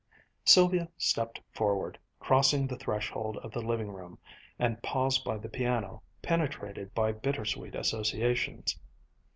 Sylvia stepped forward, crossed the threshold of the living room, and paused by the piano, penetrated by bitter sweet associations.